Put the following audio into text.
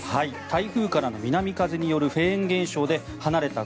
台風からの南風によるフェーン現象で離れた